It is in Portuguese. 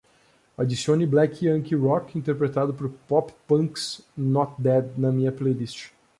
adicione Black Yankee Rock interpretado por Pop Punk's Not Dead na minha playlist